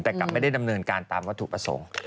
แต่กลับไม่ได้ดำเนินการตามวัตถุประสงค์